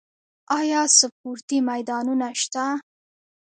آیا سپورتي میدانونه شته؟